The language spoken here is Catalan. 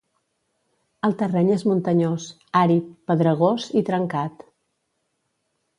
El terreny és muntanyós, àrid, pedregós i trencat.